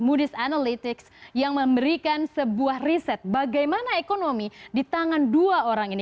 ⁇ dis analytics yang memberikan sebuah riset bagaimana ekonomi di tangan dua orang ini